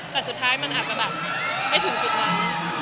แต่สุดท้ายมันอาจจะแบบไม่ถึงจุดนั้น